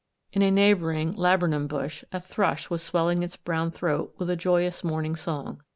In a neighbouring laburnum bush, a thrush was swelling its brown throat with a joyous morning song.